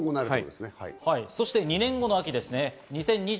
そして２年後の秋です。